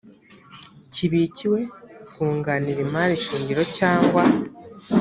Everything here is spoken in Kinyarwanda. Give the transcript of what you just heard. kibikiwe kunganira imari shingiro cyangwa